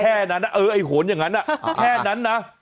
แค่นั้นเออไอ้โหนอย่างนั้นแค่นั้นนะ